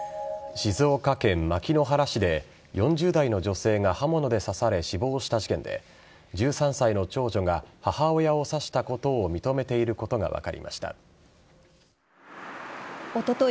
静岡県牧之原市で４０代の女性が刃物で刺され死亡した事件で１３歳の長女が母親を刺したことをおととい